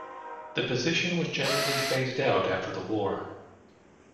The position was generally phased out after the war.